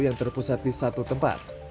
yang terpusat di satu tempat